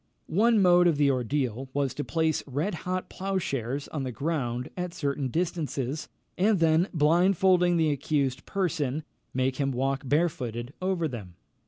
One mode of ordeal was to place red hot ploughshares on the ground at certain distances, and then, blindfolding the accused person, make him walk barefooted over them.